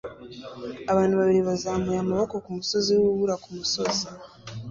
Abantu babiri bazamuye amaboko kumusozi wurubura kumusozi